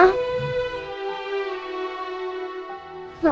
aku disini ma